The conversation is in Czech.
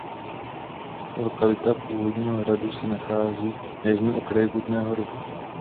Lokalita původního hradu se nachází na jižním okraji Kutné Hory.